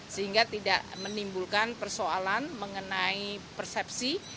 sehingga tidak menimbulkan persoalan mengenai persepsi